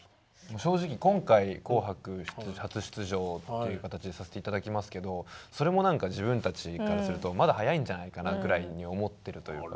正直今回「紅白」初出場っていう形にさせて頂きますけどそれも何か自分たちからするとまだ早いんじゃないかなぐらいに思ってるというか。